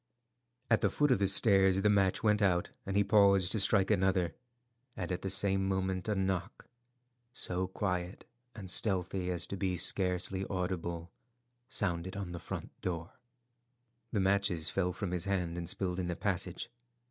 At the foot of the stairs the match went out, and he paused to strike another; and at the same moment a knock, so quiet and stealthy as to be scarcely audible, sounded on the front door. The matches fell from his hand and spilled in the passage.